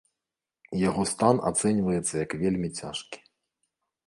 Яго стан ацэньваецца як вельмі цяжкі.